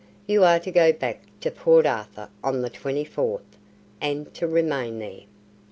You are to go back to Port Arthur on the 24th, and to remain there."